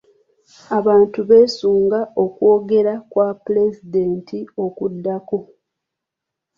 Abantu beesunga okwogera kwa pulezidenti okuddako.